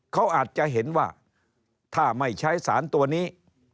เขาอาจจะเห็นว่าถ้าไม่ใช้สารตัวนี้